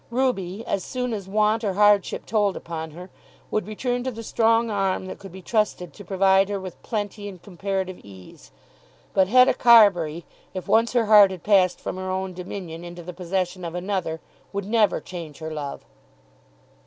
Ruby, as soon as want or hardship told upon her, would return to the strong arm that could be trusted to provide her with plenty and comparative ease. But Hetta Carbury, if once her heart had passed from her own dominion into the possession of another, would never change her love.